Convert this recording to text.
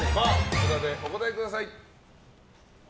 札でお答えください。